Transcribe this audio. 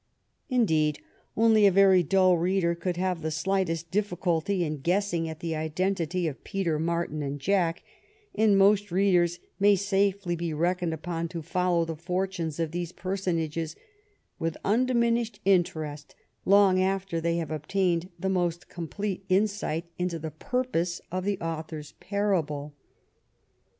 Indeed, only a very didl reader could have the slightest difficulty in guessing at the identity of Peter, Martin, and Jack, and most readers may safely be reckoned upon to follow the fortunes of these personages with undiminished interest long after they have obtained the most complete insight into the purpose of the author's parable.